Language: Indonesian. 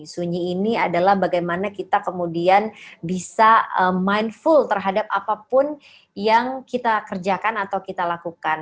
sunyi ini adalah bagaimana kita kemudian bisa mindful terhadap apapun yang kita kerjakan atau kita lakukan